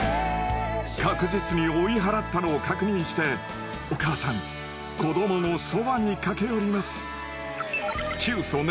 確実に追い払ったのを確認してお母さん子どものそばに駆け寄ります。